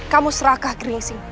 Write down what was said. kamu serakah kringsing